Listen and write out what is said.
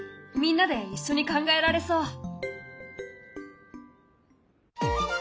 みんなで一緒に考えられそう。